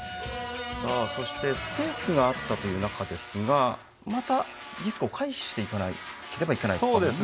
スペースがあったという中ですが、またリスクを回避していかなければならないんですかね。